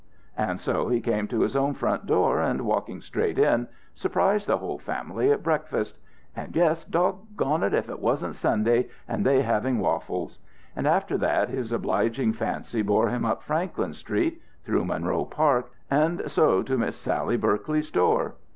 And so he came to his own front door step, and, walking straight in, surprised the whole family at breakfast; and yes doggone it! if it wasn't Sunday, and they having waffles! And after that his obliging fancy bore him up Franklin Street, through Monroe Park, and so to Miss Sally Berkeley's door.